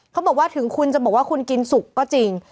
เขาบอกว่าถึงคุณจะบอกว่าคุณกินสุกก็จริง